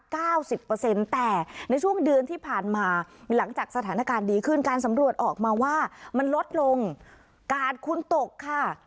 เก้าสิบเปอร์เซ็นต์แต่ในช่วงเดือนที่ผ่านมาหลังจากสถานการณ์ดีขึ้นการสำรวจออกมาว่ามันลดลงกาดคุณตกค่ะ